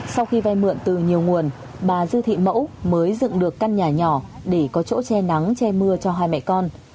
sau khi vay mượn từ nhiều nguồn bà dư thị mẫu mới dựng được căn nhà nhỏ để có chỗ che nắng che mưa cho hai mẹ con